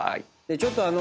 ちょっとあの。